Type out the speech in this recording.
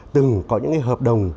từng có những hợp đồng